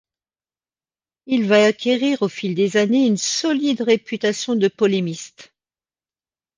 Il va acquérir au fil des années une solide réputation de polémiste.